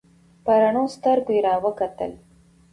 په رډو سترگو يې راوکتل.